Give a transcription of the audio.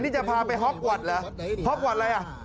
นี่จะพาไปห็อกวัดเหรอห็อกวัดอะไร